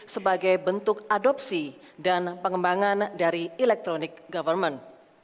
sebagai bentuk adopsi dan pengembangan dari electronic government